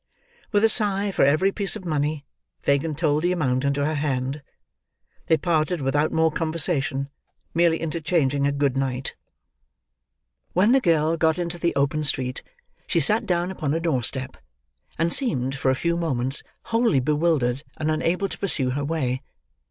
With a sigh for every piece of money, Fagin told the amount into her hand. They parted without more conversation, merely interchanging a "good night." When the girl got into the open street, she sat down upon a doorstep; and seemed, for a few moments, wholly bewildered and unable to pursue her way.